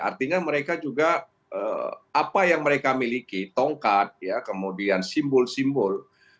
artinya mereka juga apa yang mereka miliki tongkat ya kemudian simbol simbol